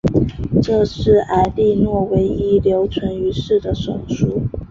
这是埃莉诺唯一留存于世的手书。